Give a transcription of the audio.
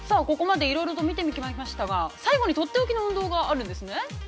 ここまでいろいろと見てまいりましたが最後にとっておきの運動があるんですね。